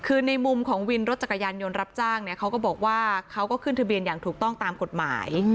คือในมุมของวินรถจักรยานยนต์รับจ้างเนี่ยเขาก็บอกว่าเขาก็ขึ้นทะเบียนอย่างถูกต้องตามกฎหมาย